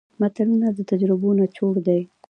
متلونه د تجربو نچوړ دی